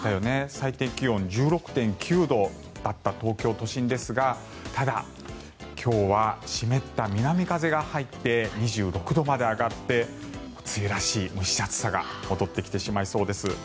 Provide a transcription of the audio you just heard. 最低気温１６．９度だった東京都心ですがただ、今日は湿った南風が入って２６度まで上がって梅雨らしい蒸し暑さが戻ってきてしまいそうです。